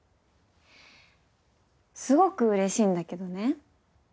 すごく嬉しいんだけどね